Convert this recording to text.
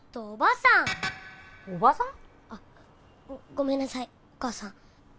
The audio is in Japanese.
あごめんなさいお母さん。